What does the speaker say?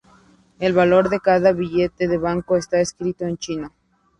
El valor de cada billete de banco está escrito en chino.